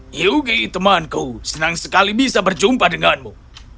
hyuge temanku senang sekali bisa berjumpa denganmu